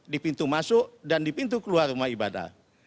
di pintu masuk dan di pintu keluar rumah ibadah